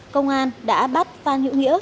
công an đã bắt phan hữu nghĩa